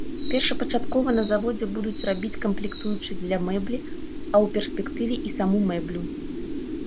Першапачаткова на заводзе будуць рабіць камплектуючыя для мэблі, а ў перспектыве і саму мэблю.